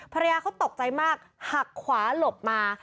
ภรรยาเขาตกใจมากหักขวาหลบมา